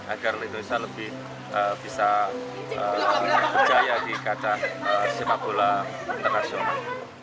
agar indonesia lebih bisa berjaya di kaca sepak bola internasional